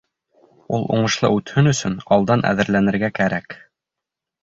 Ул уңышлы үтһен өсөн, алдан әҙерләнергә кәрәк.